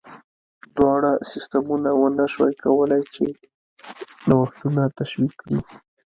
دواړو سیستمونو ونه شوای کولای چې نوښتونه تشویق کړي.